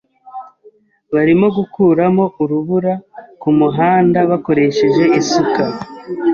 Barimo gukuramo urubura kumuhanda bakoresheje isuka.